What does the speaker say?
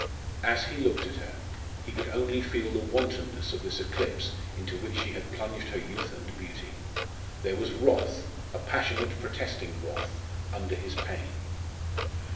As he looked at her, he could only feel the wantonness of this eclipse into which she had plunged her youth and beauty. There was wrath, a passionate protesting wrath, under his pain.